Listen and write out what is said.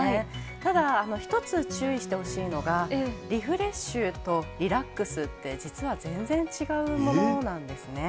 ただ、１つ注意してほしいのが、リフレッシュとリラックスって、実は全然違うものなんですね。